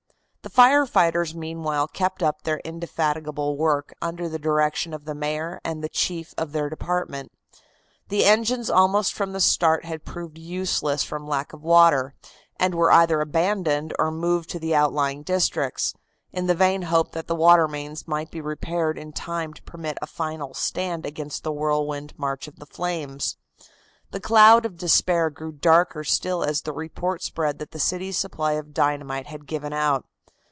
The fire fighters meanwhile kept up their indefatigable work under the direction of the Mayor and the chief of their department. The engines almost from the start had proved useless from lack of water, and were either abandoned or moved to the outlying districts, in the vain hope that the water mains might be repaired in time to permit of a final stand against the whirlwind march of the flames. The cloud of despair grew darker still as the report spread that the city's supply of dynamite had given out.